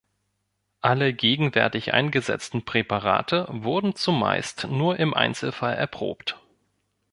Alle gegenwärtig eingesetzten Präparate wurden zumeist nur im Einzelfall erprobt.